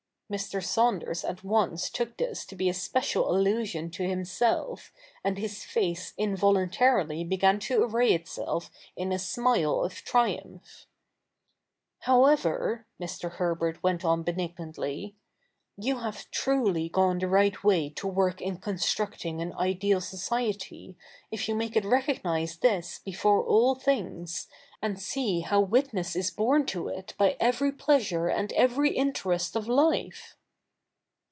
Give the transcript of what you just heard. Mr. Saunders at once took this to be a special allusion to himself, and his face involuntarily began to array itself in a smile of triumph. " However,' Mr. Herbert went on benignantly, ' you have truly gone the right way to work in constructing an ideal society, if you make it recognise this before all things, and see how witness is borne to it by every pleasure and every interest of life.'